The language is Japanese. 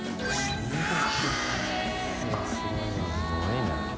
すごいね。